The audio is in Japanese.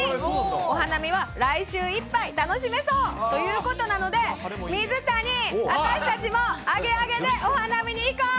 お花見は来週いっぱい楽しめそう、ということなので、水谷、私たちもあげあげでお花見に行こう！